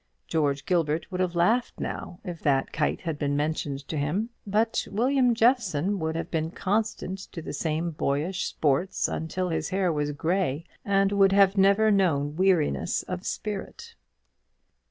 George Gilbert would have laughed now if that kite had been mentioned to him; but William Jeffson would have been constant to the same boyish sports until his hair was grey, and would have never known weariness of spirit.